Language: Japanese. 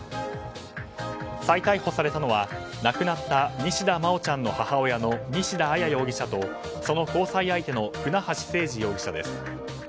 再逮捕されたのは亡くなった西田真愛ちゃんの母親の西田彩容疑者とその交際相手の船橋誠二容疑者です。